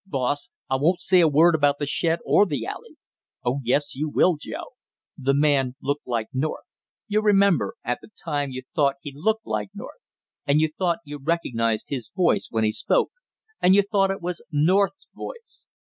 "Boss, I won't say a word about the shed or the alley!" "Oh, yes you will, Joe! The man looked like North, you remember, at the time you thought he looked like North, and you thought you recognized his voice when he spoke, and you thought it was North's voice.